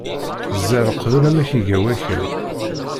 Ẓer qbel amek i iga wakal.